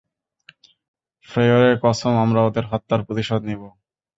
ফ্রেয়রের কসম, আমরা ওদের হত্যার প্রতিশোধ নিবো।